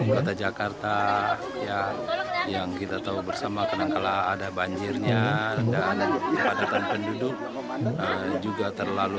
kota jakarta yang kita tahu bersama kenang kenang ada banjirnya dan padatan penduduk juga terlalu